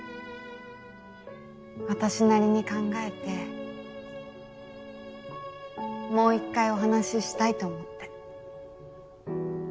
私なりに考えてもう一回お話ししたいと思って。